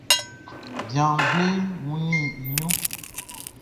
Bian bleʼn wunnin i ɲrunʼn.